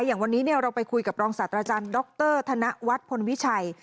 อย่างวันนี้เราไปคุยกับรองศาสตราจารย์ดรธนวัฒน์พลวิชัย